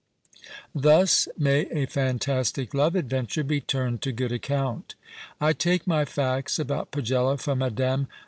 Thus may a fantastic love adventure be turned to good account. I take my facts about Pagello from Mme.